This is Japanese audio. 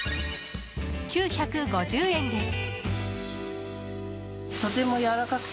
９５０円です。